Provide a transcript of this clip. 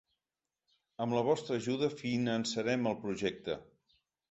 Amb la vostra ajuda finançarem el projecte!